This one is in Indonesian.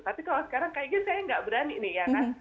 tapi kalau sekarang kayaknya saya nggak berani nih ya kan